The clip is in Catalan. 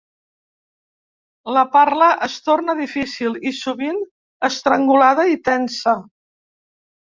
La parla es torna difícil i sovint estrangulada i tensa.